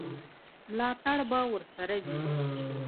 ملاتړ به ورسره وي.